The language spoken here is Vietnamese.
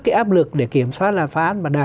cái áp lực để kiểm soát làm phán và đạt